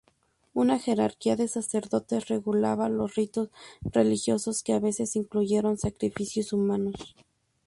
Una jerarquía de sacerdotes regulaba los ritos religiosos, que a veces incluyeron sacrificios humanos.